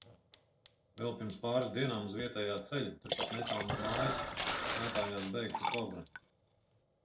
Vēl pirms pāris dienām uz vietējā ceļa, turpat netālu no mājas, mētājās beigta kobra.